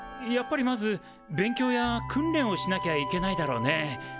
やっぱりまず勉強や訓練をしなきゃいけないだろうね。